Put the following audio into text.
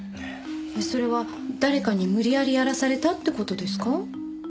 それは誰かに無理やりやらされたって事ですか？